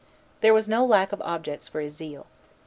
There was no lack of objects for his zeal.